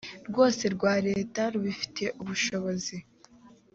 rwose rwa leta rubifitiye ubushobozi